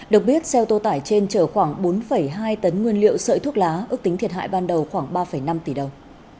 được biết xe ô tô tải trên chở khoảng bốn hai tấn nguyên liệu sợi thuốc lá ước tính thiệt hại ban đầu khoảng ba năm tỷ đồng